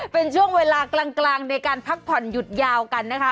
เป็นช่วงเวลากลางในการพักผ่อนหยุดยาวกันนะคะ